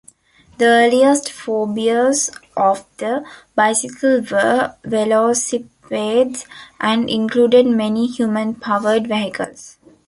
The earliest forebears of the bicycle were "velocipedes", and included many human-powered vehicles.